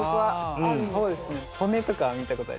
ああそうですね。